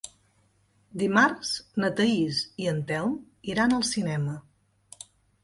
Dimarts na Thaís i en Telm iran al cinema.